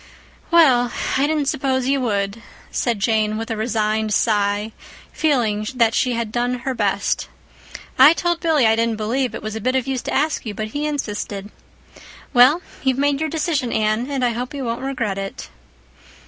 "Well, I didn't suppose you would," said Jane with a resigned sigh, feeling that she had done her best. "I told Billy I didn't believe it was a bit of use to ask you, but he insisted. Well, you've made your decision, Anne, and I hope you won't regret it."